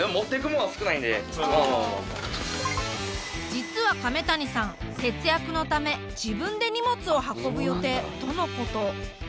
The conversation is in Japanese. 実は亀谷さん節約のため自分で荷物を運ぶ予定とのこと。